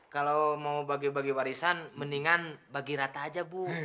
kalau mau bagi bagi warisan mendingan bagi rata aja bu